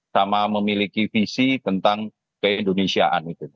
sama memiliki visi tentang keindonesiaan